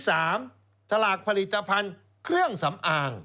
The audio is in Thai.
ฉลากผลิตภัณฑ์เครื่องสำอาง